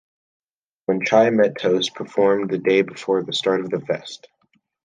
When Chai Met Toast performed the day before the start of the fest.